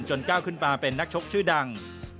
ก้าวขึ้นมาเป็นนักชกชื่อดัง